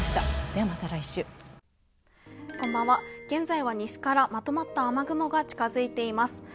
現在は西からまとまった雨雲が近づいています。